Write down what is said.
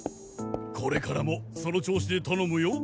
これからもその調子で頼むよ。